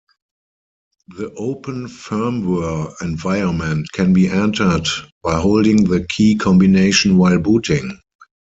The Open Firmware environment can be entered by holding the key combination while booting.